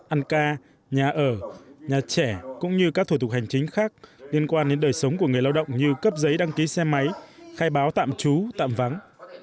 ăn ca nhà ở nhà trẻ cũng như các thủ tục hành chính khác liên quan đến đời sống của người lao động như cấp giấy đăng ký xe máy khai báo tạm trú tạm vắng